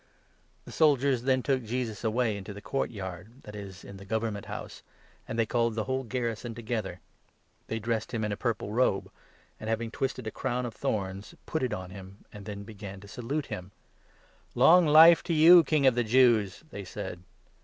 The soldiers then took Jesus away into the court yard — that 16 is the Government House — and they called the whole garrison together. They dressed him in a purple robe, and, having 17 twisted a crown of thorns, put it on him, and then began to 18 salute him. " Long life to you, King of the Jews !" they said.